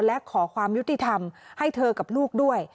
และขอความยุติธรรมให้เธอกับลูกด้วย